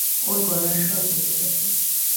ওর গলার স্বর বসে গেছে!